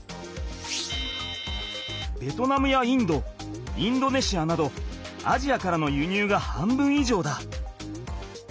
ベトナムやインドインドネシアなどアジアからの輸入が半分いじょうだ。